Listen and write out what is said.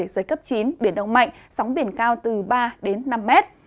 giật cấp chín biển động mạnh sóng biển cao từ ba đến năm m